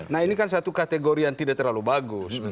nah ini kan satu kategori yang tidak terlalu bagus